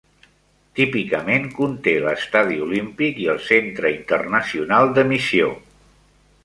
Típicament conté l'Estadi Olímpic i el centre internacional d'emissió.